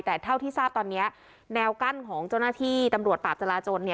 แต่เท่าที่ทราบตอนนี้แนวกั้นของเจ้าหน้าที่ตำรวจปราบจราจน